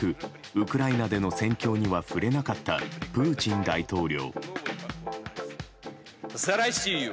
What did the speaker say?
ウクライナでの戦況には触れなかったプーチン大統領。